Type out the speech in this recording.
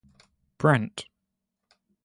Brandt.